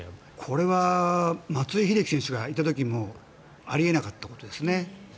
これは松井秀喜選手がいた時もあり得なかったことですね。